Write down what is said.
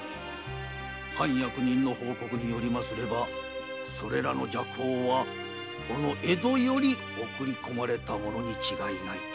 藩役人の報告によればそれらの麝香はこの江戸より送り込まれたものに違いないと。